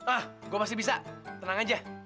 ah gue masih bisa tenang aja